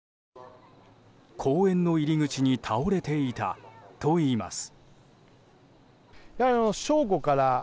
公園の入り口に倒れていたといいます。